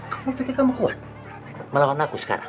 kamu pikir kamu kuat melawan aku sekarang